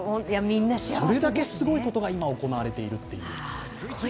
それだけすごいことが今、行われているという。